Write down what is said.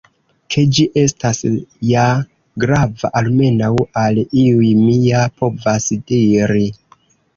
Ke ĝi estas ja grava almenaŭ al iuj, mi ja povas diri.